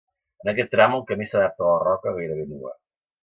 En aquest tram el camí s'adapta a la roca gairebé nua.